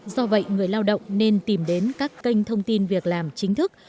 do vậy người lao động nên tìm đến các kênh thông tin việc làm chính thức